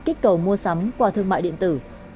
kích cầu mua sắm qua thương mại điện tử